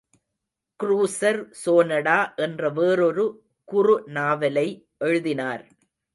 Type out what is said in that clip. Cruiser Sonata என்ற வேறொரு குறு நாவலை எழுதினார்.